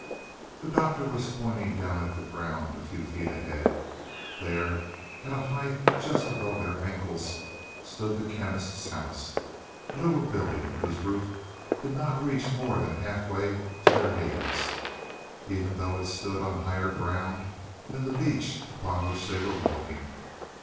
The Doctor was pointing down at the ground a few feet ahead. There, at a height just above their ankles, stood the Chemist's house a little building whose roof did not reach more than half way to their knees, even though it stood on higher ground than the beach upon which they were walking.